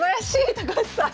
高橋さん！